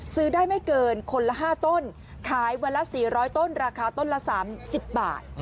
ซื้อได้ไม่เกินคนละ๕ต้นขายวันละ๔๐๐ต้นราคาต้นละ๓๐บาท